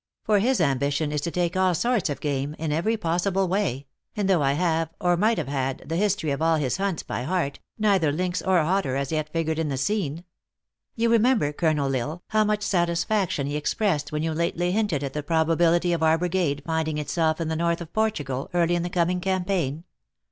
For his am bition is to take all sorts of game, in every possible way ; and though I have, or might have had, the his tory of all his hunts by heart, neither lynx or otter has yet figured in the scene. You remember, Colonel L Isle, how much satisfaction he expressed when you 158 THE ACTRESS IN HIGH LIFE. lately hinted at the probability of our brigade finding itself in the north of Portugal early in the coming campaign.